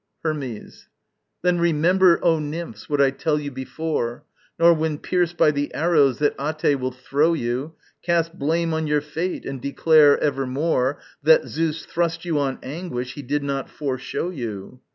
Hermes. Then remember, O nymphs, what I tell you before, Nor, when pierced by the arrows that Até will throw you, Cast blame on your fate and declare evermore That Zeus thrust you on anguish he did not foreshow you.